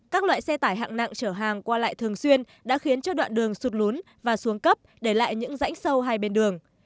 các loại xe tải hạng nặng chở hàng qua lại thường xuyên đã khiến cho đoạn đường sụt lún và xuống cấp để lại những rãnh sâu hai bên đường